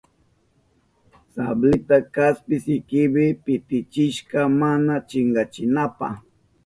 Sablinta kaspi sikipi pitichishka mana chinkachinanpa.